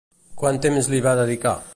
Quant temps li va dedicar?